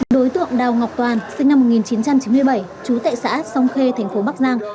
đối tượng đào ngọc toàn sinh năm một nghìn chín trăm chín mươi bảy trú tại xã sông khê thành phố bắc giang